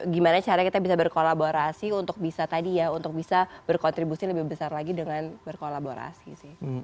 gimana caranya kita bisa berkolaborasi untuk bisa tadi ya untuk bisa berkontribusi lebih besar lagi dengan berkolaborasi sih